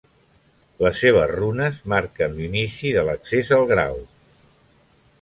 Les seves runes marquen l'inici de l'accés al grau.